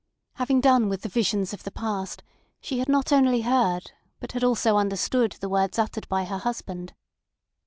Having done with the visions of the past, she had not only heard, but had also understood the words uttered by her husband.